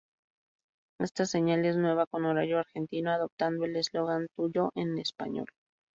Esta señal es nueva con horario argentino, adoptando el eslogan "Tuyo, en español".